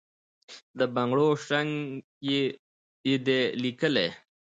د بنګړو شرنګ یې دی لېکلی،